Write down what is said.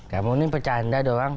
kamu ini percanda doang